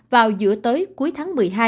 vào giữa tới cuối tháng một mươi hai